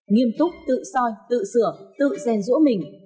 nghiêm túc tự soi tự sửa tự ghen rỗ mình